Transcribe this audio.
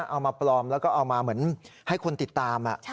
เอามาปลอมแล้วก็เอามาเหมือนให้คนติดตาม